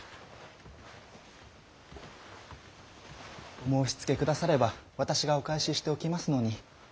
お申しつけ下されば私がお返ししておきますのに。